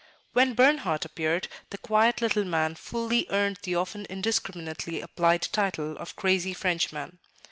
When Bernhardt appeared, the quiet little man fully earned the often indiscriminately applied title of "crazy Frenchman."